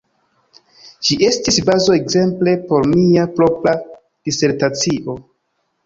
Ĝi estis bazo ekzemple por mia propra disertacio.